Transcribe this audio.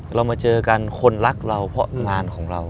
เรามาเจอกันคนรักเราเพราะงานของเรา